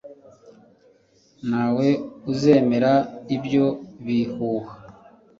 ntawe uzemera ibyo bihuha